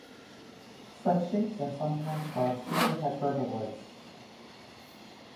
Such shapes are sometimes called super-hyperboloids.